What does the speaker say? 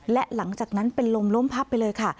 และหลังจากนั้นเป็นลมล้มพับไปเลยค่ะ